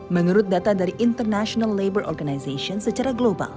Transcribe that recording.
menurut data dari international labor organization secara global